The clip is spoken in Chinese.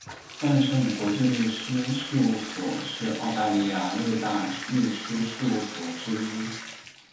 万盛国际律师事务所是澳大利亚六大律师事务所之一。